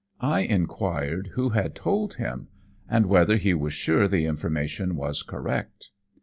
I inquired who had told him and whether he was sure the information was correct.